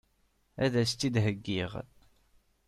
Ad as-tt-id-heggiɣ?